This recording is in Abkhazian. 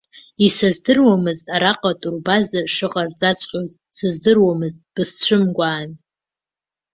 Исыздыруамызт, араҟа атурбаза шыҟарҵаҵәҟьоз сыздыруамызт, бысцәымгәаан.